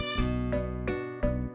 saya sudah berjalan